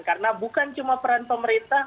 karena bukan cuma peran pemerintah